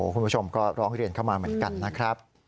คุณผู้ชมก็ร้องเรียนเข้ามาเหมือนกันนะครับ